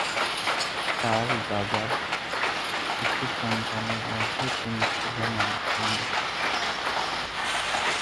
তার বাবার বেশ কিছু সন্তান এর মধ্যে তিনি ছিলেন একজন।